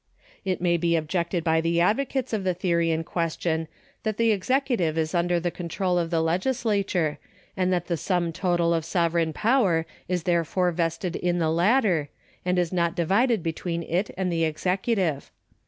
It may be objected by the advocates of the theory in question that the executive is under the control of the legislature, and that the sum total of sovereign power is therefore vested in the latter, and is not divided between it and the executive.